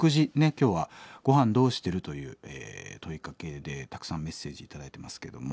今日は「ごはんどうしてる？」という問いかけでたくさんメッセージ頂いてますけども。